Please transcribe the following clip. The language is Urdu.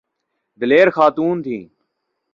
دلیر خاتون تھیں۔